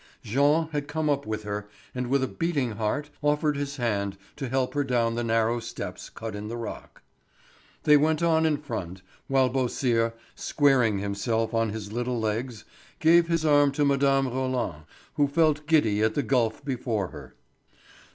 Jean had come up with her, and with a beating heart offered his hand to help her down the narrow steps cut in the rock. They went on in front, while Beausire, squaring himself on his little legs, gave his arm to Mme. Roland, who felt giddy at the gulf before her.